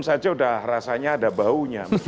saja sudah rasanya ada baunya